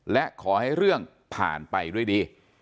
และขอให้เรื่องผ่านไปด้วยดี